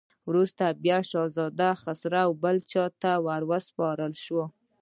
وروسته بیا شهزاده خسرو بل چا ته وسپارل شو.